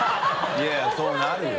いやいやそうなるよ。